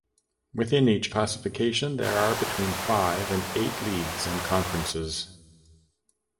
Within each classification, there are between five and eight leagues and conferences.